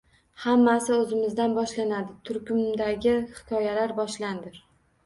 Hammasi oʻzimizdan boshlanadi turkumidagi hikoyalar boshlandi.